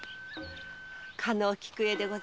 加納菊江でございます。